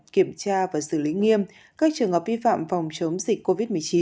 kiểm tra và xử lý nghiêm các trường hợp vi phạm phòng chống dịch covid một mươi chín